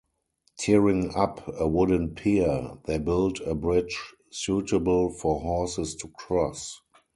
Tearing up a wooden pier, they built a bridge suitable for horses to cross.